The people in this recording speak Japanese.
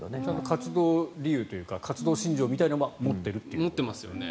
活動理由というか活動信条みたいなものは持ってますよね。